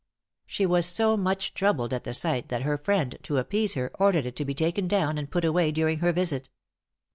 She was so much troubled at the sight, that her friend, to appease her, ordered it to be taken down and put away during her visit.